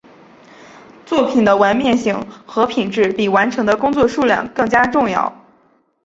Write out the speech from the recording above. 作品的完面性和品质比完成的工作数量更加重要。